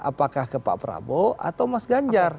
apakah ke pak prabowo atau mas ganjar